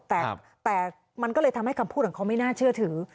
แต่มันก็เลยทำให้คำพูดของเขาไม่น่าเชื่อถือ